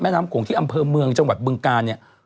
น้ำโขงที่อำเภอเมืองจังหวัดบึงกาลเนี่ย